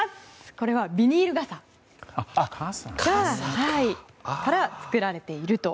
これはビニール傘から作られていると。